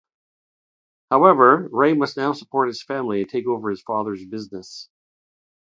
However, Ray must now support his family and take over his father's business.